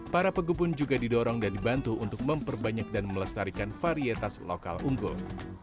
para pegebun juga didorong dan dibantu untuk memperbanyak dan melestarikan varietas lokal unggul